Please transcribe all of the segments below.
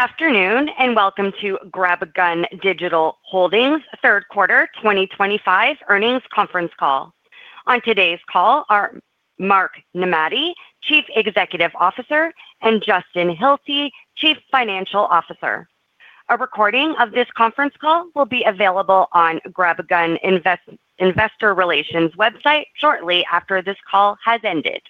Good afternoon and welcome to GrabAGun Digital Holdings, third quarter 2025 earnings conference call. On today's call are Mark Nemati, Chief Executive Officer, and Justin Hilty, Chief Financial Officer. A recording of this conference call will be available on GrabAGun Investor Relations website shortly after this call has ended.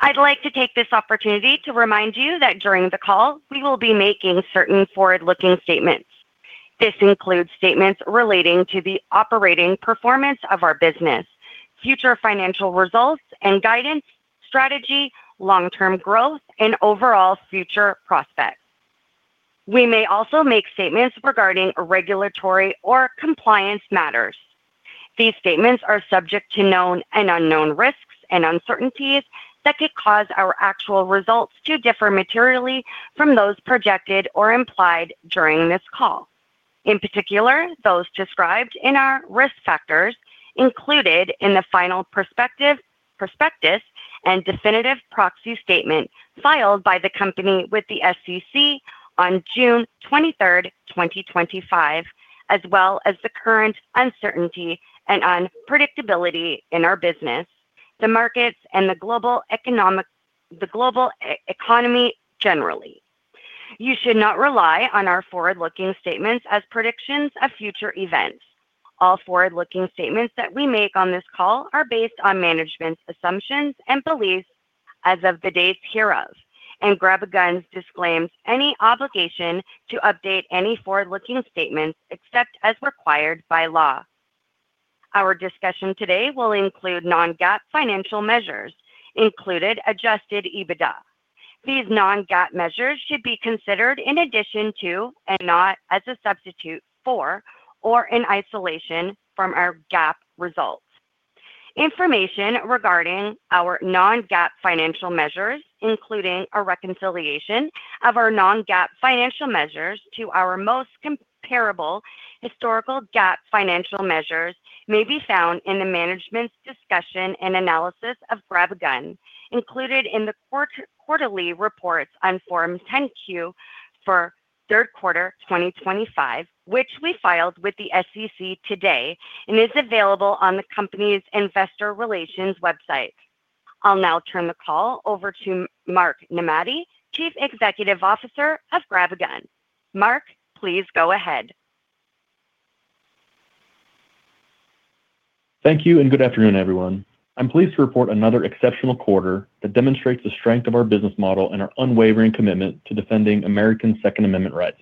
I'd like to take this opportunity to remind you that during the call we will be making certain forward-looking statements. This includes statements relating to the operating performance of our business, future financial results and guidance, strategy, long-term growth, and overall future prospects. We may also make statements regarding regulatory or compliance matters. These statements are subject to known and unknown risks and uncertainties that could cause our actual results to differ materially from those projected or implied during this call. In particular, those described in our risk factors included in the final prospectus and definitive proxy statement filed by the company with the SEC on June 23rd, 2025, as well as the current uncertainty and unpredictability in our business, the markets, and the global economy generally. You should not rely on our forward-looking statements as predictions of future events. All forward-looking statements that we make on this call are based on management's assumptions and beliefs as of the date hereof, and GrabAGun disclaims any obligation to update any forward-looking statements except as required by law. Our discussion today will include non-GAAP financial measures, including Adjusted EBITDA. These non-GAAP measures should be considered in addition to and not as a substitute for or in isolation from our GAAP results. Information regarding our non-GAAP financial measures, including a reconciliation of our non-GAAP financial measures to our most comparable historical GAAP financial measures, may be found in the management's discussion and analysis of GrabAGun, included in the quarterly reports on Form 10Q for third quarter 2025, which we filed with the SEC today and is available on the company's Investor Relations website. I'll now turn the call over to Marc Nemati, Chief Executive Officer of GrabAGun. Mark, please go ahead. Thank you and good afternoon, everyone. I'm pleased to report another exceptional quarter that demonstrates the strength of our business model and our unwavering commitment to defending Americans' Second Amendment rights.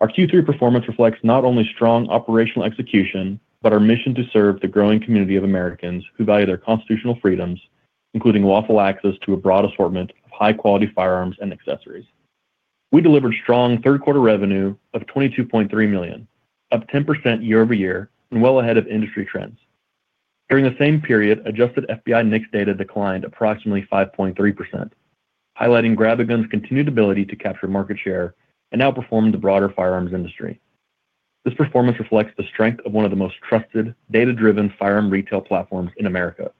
Our Q3 performance reflects not only strong operational execution but our mission to serve the growing community of Americans who value their constitutional freedoms, including lawful access to a broad assortment of high-quality firearms and accessories. We delivered strong third quarter revenue of $22.3 million, up 10% year-over-year, and well ahead of industry trends. During the same period, adjusted FBI NICS data declined approximately 5.3%, highlighting GrabAGun's continued ability to capture market share and outperform the broader firearms industry. This performance reflects the strength of one of the most trusted, data-driven firearm retail platforms in America.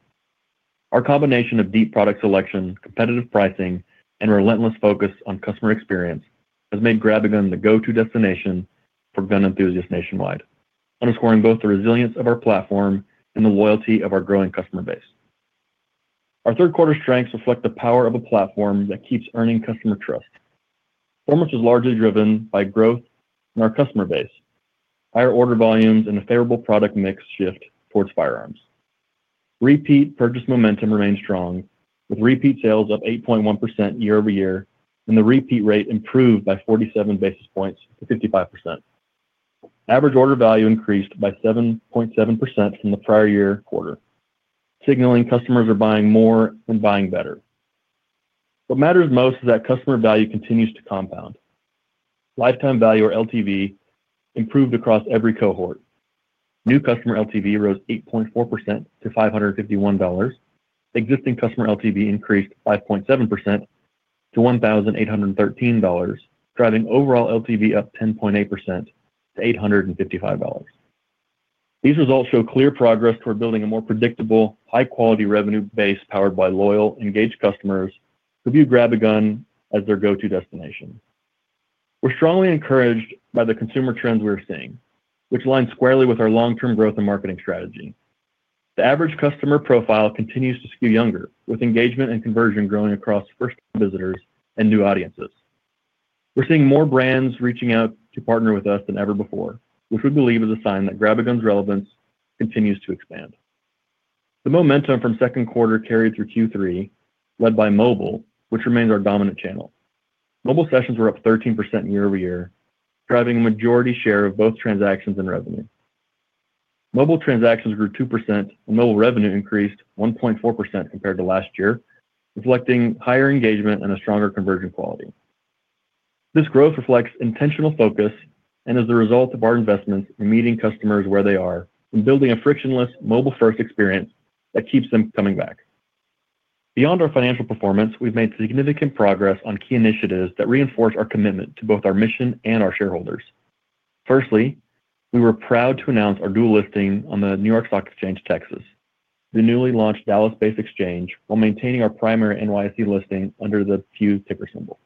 Our combination of deep product selection, competitive pricing, and relentless focus on customer experience has made GrabAGun the go-to destination for gun enthusiasts nationwide, underscoring both the resilience of our platform and the loyalty of our growing customer base. Our third quarter strengths reflect the power of a platform that keeps earning customer trust. Performance is largely driven by growth in our customer base, higher order volumes, and a favorable product mix shift towards firearms. Repeat purchase momentum remained strong, with repeat sales up 8.1% year-over-year, and the repeat rate improved by 47 basis points to 55%. Average order value increased by 7.7% from the prior year quarter, signaling customers are buying more and buying better. What matters most is that customer value continues to compound. Lifetime value, or LTV, improved across every cohort. New customer LTV rose 8.4% to $551. Existing customer LTV increased 5.7% to $1,813, driving overall LTV up 10.8% to $855. These results show clear progress toward building a more predictable, high-quality revenue base powered by loyal, engaged customers who view GrabAGun as their go-to destination. We're strongly encouraged by the consumer trends we're seeing, which align squarely with our long-term growth and marketing strategy. The average customer profile continues to skew younger, with engagement and conversion growing across first-time visitors and new audiences. We're seeing more brands reaching out to partner with us than ever before, which we believe is a sign that GrabAGun's relevance continues to expand. The momentum from second quarter carried through Q3, led by mobile, which remains our dominant channel. Mobile sessions were up 13% year-over-year, driving a majority share of both transactions and revenue. Mobile transactions grew 2%, and mobile revenue increased 1.4% compared to last year, reflecting higher engagement and a stronger conversion quality. This growth reflects intentional focus and is the result of our investments in meeting customers where they are and building a frictionless, mobile-first experience that keeps them coming back. Beyond our financial performance, we've made significant progress on key initiatives that reinforce our commitment to both our mission and our shareholders. Firstly, we were proud to announce our dual listing on the New York Stock Exchange of Texas, the newly launched Dallas-based exchange, while maintaining our primary NYSE listing under the fused ticker symbol.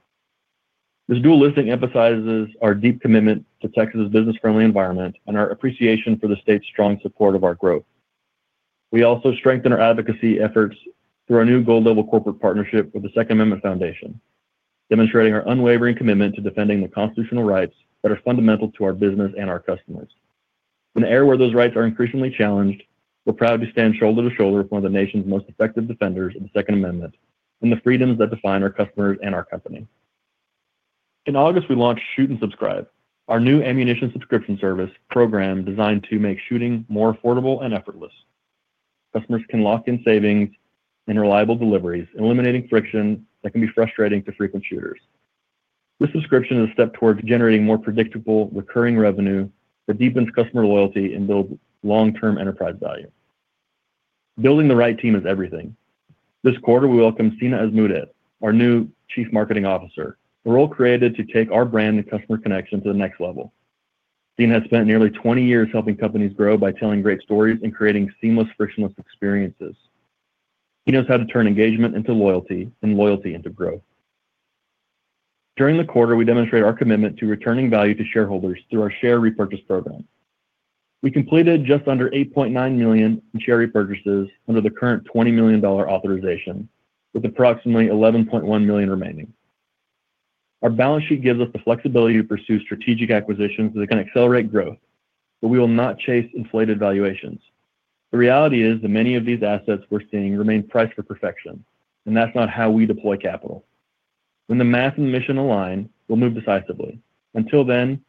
This dual listing emphasizes our deep commitment to Texas's business-friendly environment and our appreciation for the state's strong support of our growth. We also strengthened our advocacy efforts through our new Gold Level corporate partnership with the Second Amendment Foundation, demonstrating our unwavering commitment to defending the constitutional rights that are fundamental to our business and our customers. In an era where those rights are increasingly challenged, we're proud to stand shoulder to shoulder with one of the nation's most effective defenders of the Second Amendment and the freedoms that define our customers and our company. In August, we launched Shoot and Subscribe, our new ammunition subscription service program designed to make shooting more affordable and effortless. Customers can lock in savings and reliable deliveries, eliminating friction that can be frustrating to frequent shooters. This subscription is a step toward generating more predictable, recurring revenue that deepens customer loyalty and builds long-term enterprise value. Building the right team is everything. This quarter, we welcome Sina Azmoudet, our new Chief Marketing Officer, a role created to take our brand and customer connection to the next level. Sina has spent nearly 20 years helping companies grow by telling great stories and creating seamless, frictionless experiences. He knows how to turn engagement into loyalty and loyalty into growth. During the quarter, we demonstrate our commitment to returning value to shareholders through our share repurchase program. We completed just under $8.9 million in share repurchases under the current $20 million authorization, with approximately $11.1 million remaining. Our balance sheet gives us the flexibility to pursue strategic acquisitions that can accelerate growth, but we will not chase inflated valuations. The reality is that many of these assets we're seeing remain priced for perfection, and that's not how we deploy capital. When the math and mission align, we'll move decisively. Until then,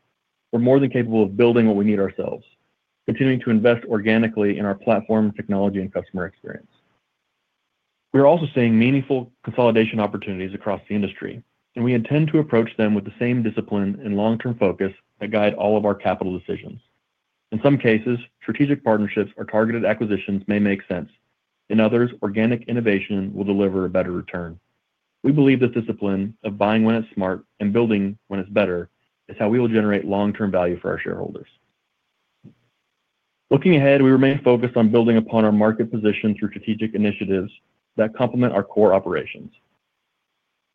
we're more than capable of building what we need ourselves, continuing to invest organically in our platform, technology, and customer experience. We're also seeing meaningful consolidation opportunities across the industry, and we intend to approach them with the same discipline and long-term focus that guide all of our capital decisions. In some cases, strategic partnerships or targeted acquisitions may make sense. In others, organic innovation will deliver a better return. We believe this discipline of buying when it's smart and building when it's better is how we will generate long-term value for our shareholders. Looking ahead, we remain focused on building upon our market position through strategic initiatives that complement our core operations.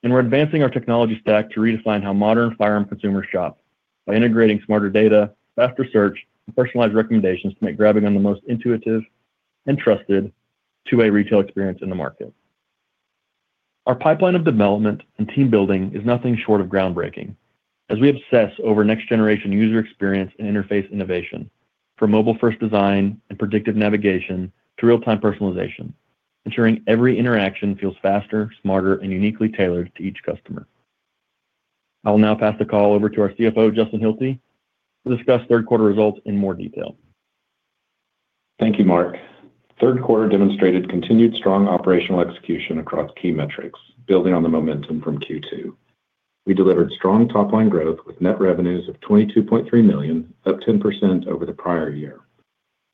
We are advancing our technology stack to redefine how modern firearm consumers shop by integrating smarter data, faster search, and personalized recommendations to make GrabAGun the most intuitive and trusted two-way retail experience in the market. Our pipeline of development and team building is nothing short of groundbreaking, as we obsess over next-generation user experience and interface innovation, from mobile-first design and predictive navigation to real-time personalization, ensuring every interaction feels faster, smarter, and uniquely tailored to each customer. I will now pass the call over to our CFO, Justin Hilty, to discuss third quarter results in more detail. Thank you, Mark. Third quarter demonstrated continued strong operational execution across key metrics, building on the momentum from Q2. We delivered strong top-line growth with net revenues of $22.3 million, up 10% over the prior year.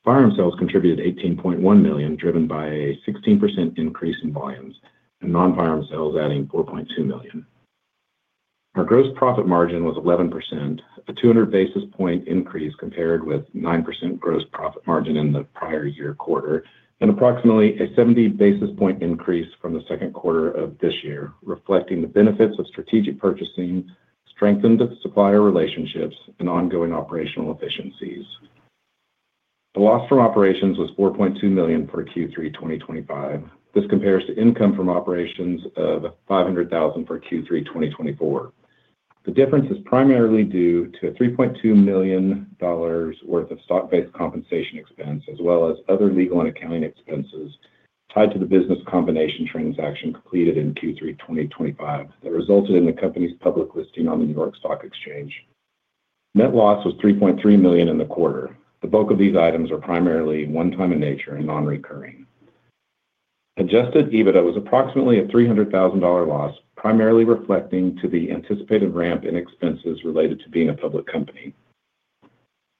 Firearm sales contributed $18.1 million, driven by a 16% increase in volumes and non-firearm sales adding $4.2 million. Our gross profit margin was 11%, a 200 basis point increase compared with 9% gross profit margin in the prior year quarter, and approximately a 70 basis point increase from the second quarter of this year, reflecting the benefits of strategic purchasing, strengthened supplier relationships, and ongoing operational efficiencies. The loss from operations was $4.2 million for Q3 2025. This compares to income from operations of $500,000 for Q3 2024. The difference is primarily due to a $3.2 million worth of stock-based compensation expense, as well as other legal and accounting expenses tied to the business combination transaction completed in Q3 2025 that resulted in the company's public listing on the New York Stock Exchange. Net loss was $3.3 million in the quarter. The bulk of these items are primarily one-time in nature and non-recurring. Adjusted EBITDA was approximately a $300,000 loss, primarily reflecting the anticipated ramp in expenses related to being a public company.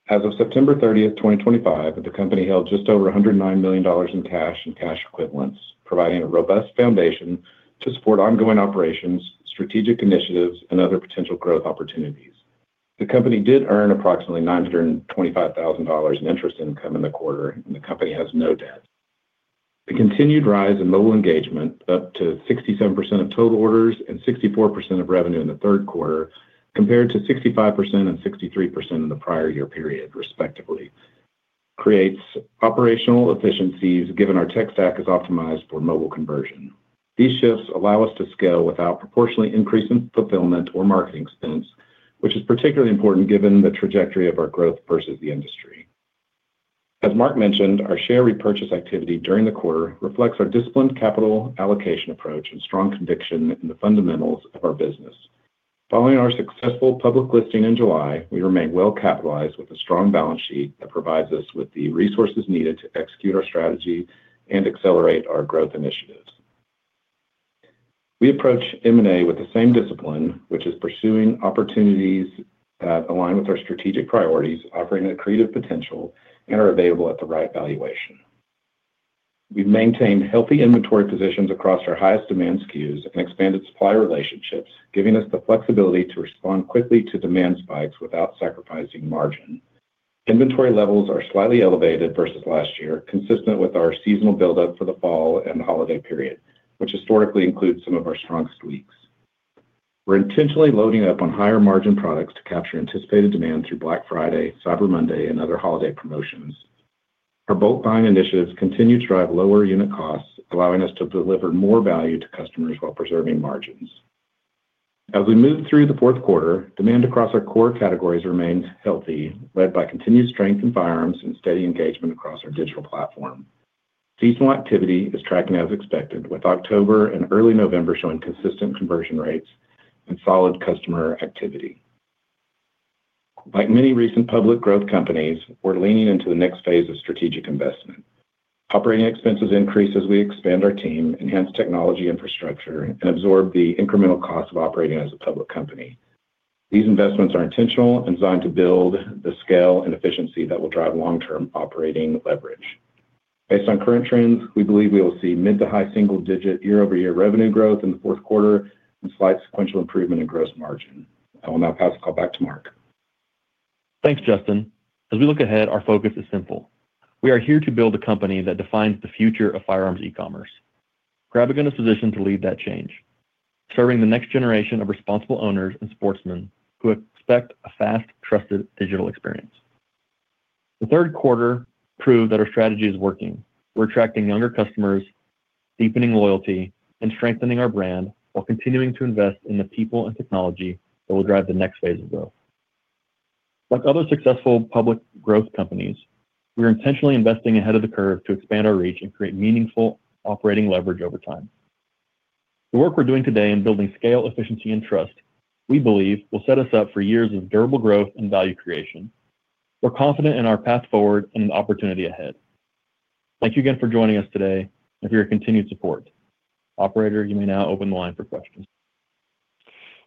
As of September 30th, 2025, the company held just over $109 million in cash and cash equivalents, providing a robust foundation to support ongoing operations, strategic initiatives, and other potential growth opportunities. The company did earn approximately $925,000 in interest income in the quarter, and the company has no debt. The continued rise in mobile engagement, up to 67% of total orders and 64% of revenue in the third quarter, compared to 65% and 63% in the prior year period, respectively, creates operational efficiencies given our tech stack is optimized for mobile conversion. These shifts allow us to scale without proportionally increasing fulfillment or marketing expense, which is particularly important given the trajectory of our growth versus the industry. As Mark mentioned, our share repurchase activity during the quarter reflects our disciplined capital allocation approach and strong conviction in the fundamentals of our business. Following our successful public listing in July, we remain well-capitalized with a strong balance sheet that provides us with the resources needed to execute our strategy and accelerate our growth initiatives. We approach M&A with the same discipline, which is pursuing opportunities that align with our strategic priorities, offering accretive potential, and are available at the right valuation. We've maintained healthy inventory positions across our highest demand SKUs and expanded supplier relationships, giving us the flexibility to respond quickly to demand spikes without sacrificing margin. Inventory levels are slightly elevated versus last year, consistent with our seasonal build-up for the fall and the holiday period, which historically includes some of our strongest weeks. We're intentionally loading up on higher-margin products to capture anticipated demand through Black Friday, Cyber Monday, and other holiday promotions. Our bulk buying initiatives continue to drive lower unit costs, allowing us to deliver more value to customers while preserving margins. As we move through the fourth quarter, demand across our core categories remains healthy, led by continued strength in firearms and steady engagement across our digital platform. Seasonal activity is tracking as expected, with October and early November showing consistent conversion rates and solid customer activity. Like many recent public growth companies, we're leaning into the next phase of strategic investment. Operating expenses increase as we expand our team, enhance technology infrastructure, and absorb the incremental cost of operating as a public company. These investments are intentional and designed to build the scale and efficiency that will drive long-term operating leverage. Based on current trends, we believe we will see mid to high single-digit year-over-year revenue growth in the fourth quarter and slight sequential improvement in gross margin. I will now pass the call back to Marc. Thanks, Justin. As we look ahead, our focus is simple. We are here to build a company that defines the future of firearms e-commerce. GrabAGun is positioned to lead that change, serving the next generation of responsible owners and sportsmen who expect a fast, trusted digital experience. The third quarter proved that our strategy is working. We're attracting younger customers, deepening loyalty, and strengthening our brand while continuing to invest in the people and technology that will drive the next phase of growth. Like other successful public growth companies, we're intentionally investing ahead of the curve to expand our reach and create meaningful operating leverage over time. The work we're doing today in building scale, efficiency, and trust, we believe, will set us up for years of durable growth and value creation. We're confident in our path forward and an opportunity ahead. Thank you again for joining us today and for your continued support. Operator, you may now open the line for questions.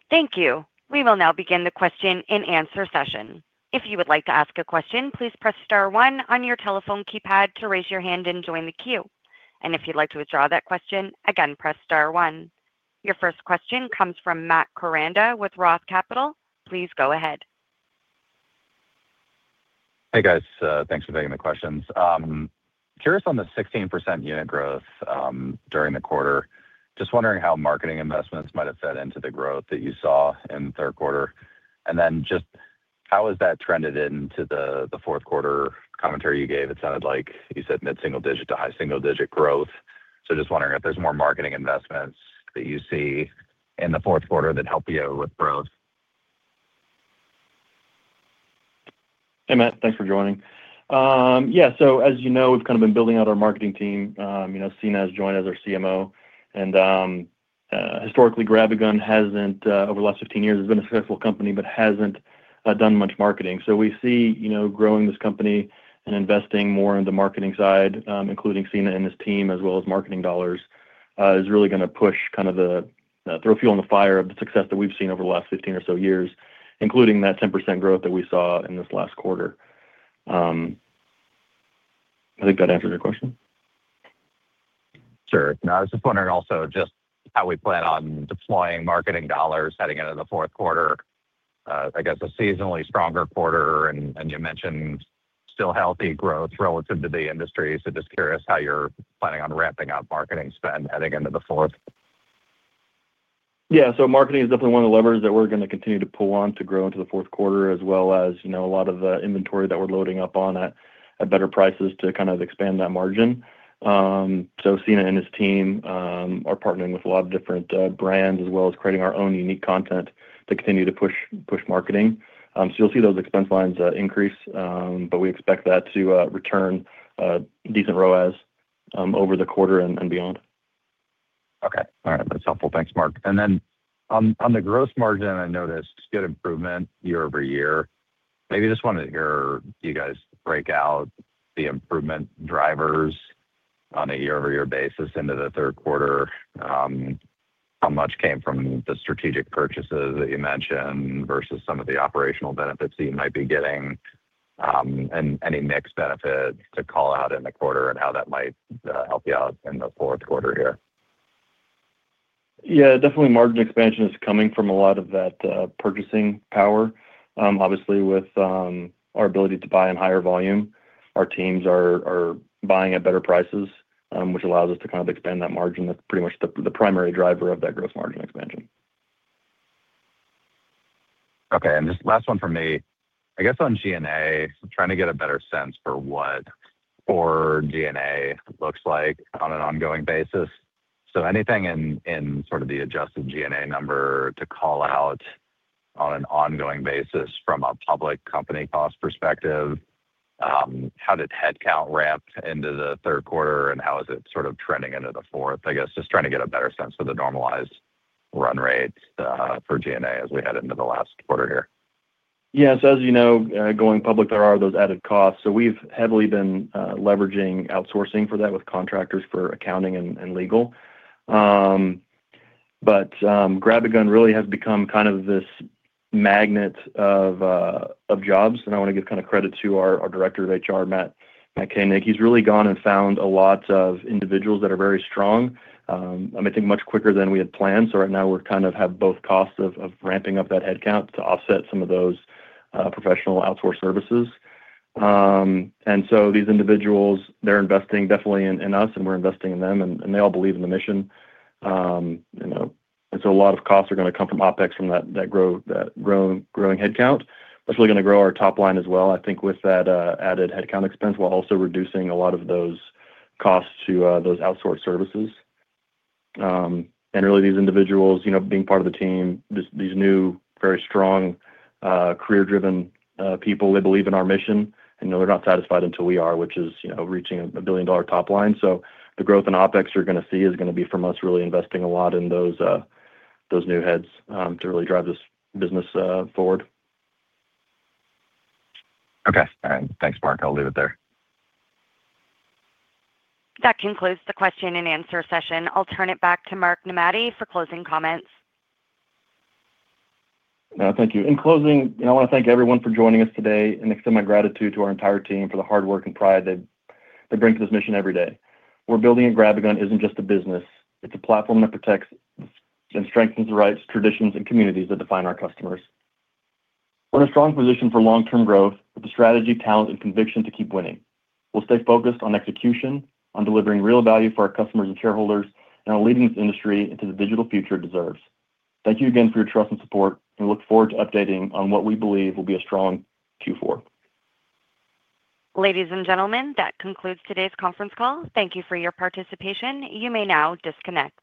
Thank you. We will now begin the question-and-answer session. If you would like to ask a question, please press star one on your telephone keypad to raise your hand and join the queue. If you'd like to withdraw that question, again, press star one. Your first question comes from Matt Kuranda with Roth Capital. Please go ahead. Hey, guys. Thanks for taking the questions. Curious on the 16% unit growth during the quarter. Just wondering how marketing investments might have fed into the growth that you saw in the third quarter. Just how has that trended into the fourth quarter? Commentary you gave, it sounded like you said mid-single digit to high single-digit growth. Just wondering if there's more marketing investments that you see in the fourth quarter that help you with growth. Hey, Matt. Thanks for joining. Yeah, as you know, we've kind of been building out our marketing team. Sina has joined as our CMO. Historically, GrabAGun hasn't, over the last 15 years, been a successful company but hasn't done much marketing. We see growing this company and investing more on the marketing side, including Sina and his team, as well as marketing dollars, is really going to push, kind of throw fuel on the fire of the success that we've seen over the last 15 or so years, including that 10% growth that we saw in this last quarter. I think that answers your question. Sure. No, I was just wondering also just how we plan on deploying marketing dollars heading into the fourth quarter. I guess a seasonally stronger quarter, and you mentioned still healthy growth relative to the industry. Just curious how you're planning on ramping up marketing spend heading into the fourth. Yeah, so marketing is definitely one of the levers that we're going to continue to pull on to grow into the fourth quarter, as well as a lot of the inventory that we're loading up on at better prices to kind of expand that margin. Sina and his team are partnering with a lot of different brands, as well as creating our own unique content to continue to push marketing. You'll see those expense lines increase, but we expect that to return decent ROAS over the quarter and beyond. Okay. All right. That's helpful. Thanks, Mark. Then on the gross margin, I noticed good improvement year over year. Maybe I just want to hear you guys break out the improvement drivers on a year-over-year basis into the third quarter. How much came from the strategic purchases that you mentioned versus some of the operational benefits that you might be getting and any mixed benefits to call out in the quarter and how that might help you out in the fourth quarter here? Yeah, definitely margin expansion is coming from a lot of that purchasing power. Obviously, with our ability to buy in higher volume, our teams are buying at better prices, which allows us to kind of expand that margin. That's pretty much the primary driver of that gross margin expansion. Okay. Just last one for me. I guess on G&A, trying to get a better sense for what core G&A looks like on an ongoing basis. Anything in sort of the adjusted G&A number to call out on an ongoing basis from a public company cost perspective? How did headcount ramp into the third quarter, and how is it sort of trending into the fourth? I guess just trying to get a better sense for the normalized run rates for G&A as we head into the last quarter here. Yeah, so as you know, going public, there are those added costs. We have heavily been leveraging outsourcing for that with contractors for accounting and legal. GrabAGun really has become kind of this magnet of jobs. I want to give kind of credit to our Director of HR, Matt Koenig. He has really gone and found a lot of individuals that are very strong. I am going to think much quicker than we had planned. Right now, we kind of have both costs of ramping up that headcount to offset some of those professional outsource services. These individuals, they are investing definitely in us, and we are investing in them, and they all believe in the mission. A lot of costs are going to come from OpEx from that growing headcount. That's really going to grow our top line as well, I think, with that added headcount expense while also reducing a lot of those costs to those outsourced services. Really, these individuals being part of the team, these new, very strong, career-driven people, they believe in our mission, and they're not satisfied until we are, which is reaching a billion-dollar top line. The growth in OpEx you're going to see is going to be from us really investing a lot in those new heads to really drive this business forward. Okay. Thanks, Mark. I'll leave it there. That concludes the question-and-answer session. I'll turn it back to Marc Nemati for closing comments. Thank you. In closing, I want to thank everyone for joining us today and extend my gratitude to our entire team for the hard work and pride they bring to this mission every day. We're building a GrabAGun isn't just a business. It's a platform that protects and strengthens the rights, traditions, and communities that define our customers. We're in a strong position for long-term growth with the strategy, talent, and conviction to keep winning. We'll stay focused on execution, on delivering real value for our customers and shareholders, and on leading this industry into the digital future it deserves. Thank you again for your trust and support, and we look forward to updating on what we believe will be a strong Q4. Ladies and gentlemen, that concludes today's conference call. Thank you for your participation. You may now disconnect.